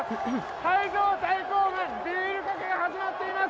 会場は大興奮ビールかけが始まっています。